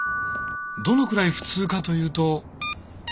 どのくらいフツーかというと。